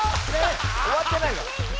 おわってないから。